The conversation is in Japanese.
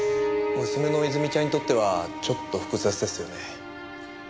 娘の泉ちゃんにとってはちょっと複雑ですよね。